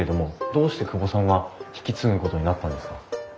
どうして久保さんが引き継ぐことになったんですか？